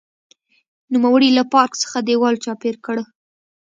نوموړي له پارک څخه دېوال چاپېر کړ.